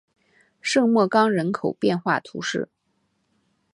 圣莫冈人口变化图示